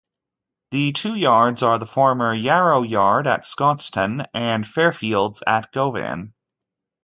The two yards are the former Yarrow yard at Scotstoun and Fairfields at Govan.